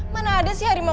mana ada sih harimau